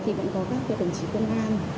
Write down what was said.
thì vẫn có các cái đồng chí công an